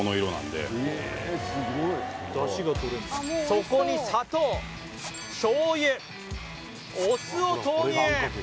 そこに砂糖、しょうゆ、お酢を投入。